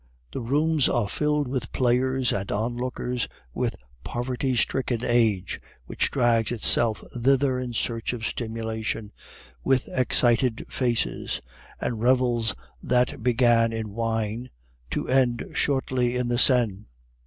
The rooms are filled with players and onlookers, with poverty stricken age, which drags itself thither in search of stimulation, with excited faces, and revels that began in wine, to end shortly in the Seine.